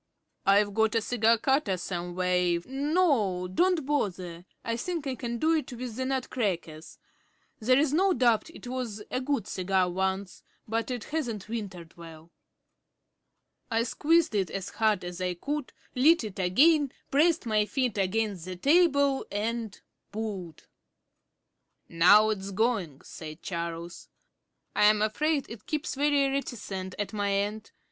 "I've got a cigar cutter somewhere, if " "No, don't bother, I think I can do it with the nut crackers. There's no doubt it was a good cigar once, but it hasn't wintered well." I squeezed it as hard as I could, lit it again, pressed my feet against the table and pulled. "Now it's going," said Charles. "I'm afraid it keeps very reticent at my end.